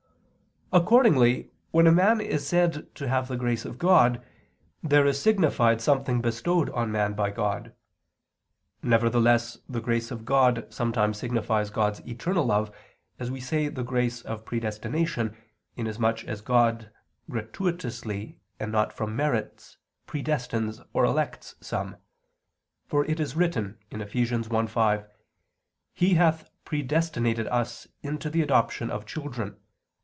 Accordingly when a man is said to have the grace of God, there is signified something bestowed on man by God. Nevertheless the grace of God sometimes signifies God's eternal love, as we say the grace of predestination, inasmuch as God gratuitously and not from merits predestines or elects some; for it is written (Eph. 1:5): "He hath predestinated us into the adoption of children